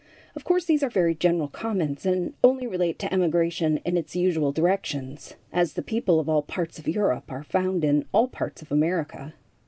Of course, these are very general comments, and only relate to emigration in its usual directions, as the people of all parts of Europe are found in all parts of America.